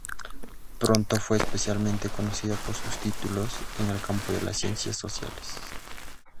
Pronto fue especialmente conocida por sus títulos en el campo de las ciencias sociales.